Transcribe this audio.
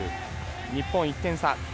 日本、１点差。